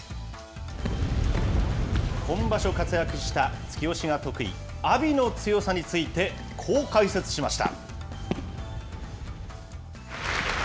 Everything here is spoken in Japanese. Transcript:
今場所、活躍した突き押しが得意、阿炎の強さについて、こう解説しました。